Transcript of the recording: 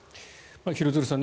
廣津留さん